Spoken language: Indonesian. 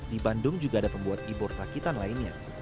di bandung juga ada pembuat e board rakitan lainnya